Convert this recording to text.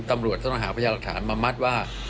ตำรวจท่านต้องหาพยาบาทมามัดว่า